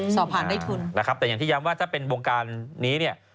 สอบผ่านได้ทุนนะครับแต่อย่างที่ย้ำว่าถ้าเป็นวงการนี้เนี่ย